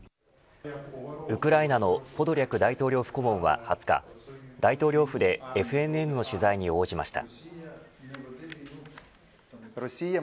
ウクライナのポドリャク大統領府顧問は２０日大統領府でＦＮＮの取材に応じました。